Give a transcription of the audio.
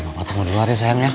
bapak temui dulu adi sayang ya